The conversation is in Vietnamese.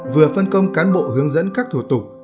vừa phân công cán bộ hướng dẫn các thủ tục